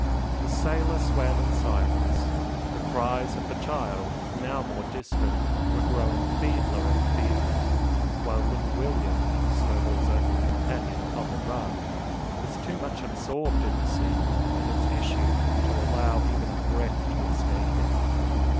The sailor swam in silence, the cries of the child, now more distant, were growing feebler and feebler; while little William Snowball's only companion upon the raft was too much absorbed in the scene and its issue to allow even a breath to escape him.